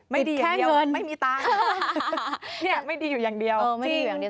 ไม่ดีอย่างเดียวไม่มีตังค์เนี่ยไม่ดีอยู่อย่างเดียวจริงค่ะติดแค่เงิน